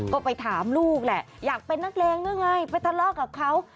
ก็ไปถามลูกแหละอยากเป็นนักเลงหรือไงไปทะเลาะกับเขา